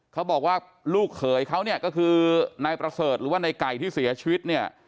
เขาบอกว่าลูกเขยเขาก็คือนายประเสริฐหรือว่านายไก่ที่เสียชีวิต